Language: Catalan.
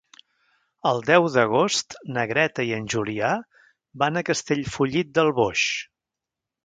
El deu d'agost na Greta i en Julià van a Castellfollit del Boix.